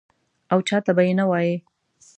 او چا ته به یې نه وایې.